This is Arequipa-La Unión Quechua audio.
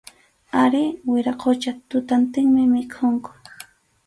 Arí, wiraqucha, tutantinmi mikhunku.